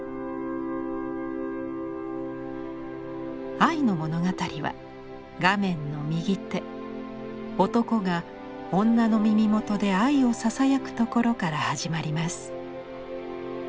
愛の物語は画面の右手男が女の耳元で愛をささやくところから始まります。